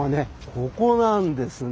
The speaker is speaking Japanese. ここなんですね。